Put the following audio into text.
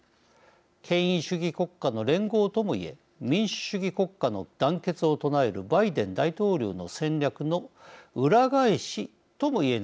権威主義国家の連合ともいえ民主主義国家の団結を唱えるバイデン大統領の戦略の裏返しとも言えないこともありません。